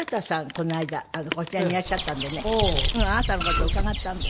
この間こちらにいらっしゃったんでねあなたの事を伺ったんです。